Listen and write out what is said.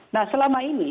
nah selama ini